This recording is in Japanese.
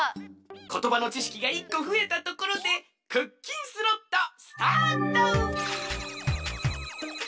ことばのちしきが１こふえたところでクッキンスロットスタート！